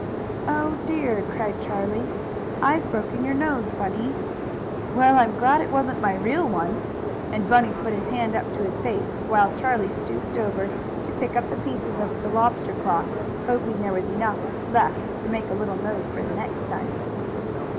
"Oh, dear," cried Charlie. "I've broken your nose, Bunny!" "Well, I'm glad it wasn't my real one," and Bunny put his hand up to his face, while Charlie stooped over to pick up the pieces of the lobster claw, hoping there was enough left to make a little nose for the next time.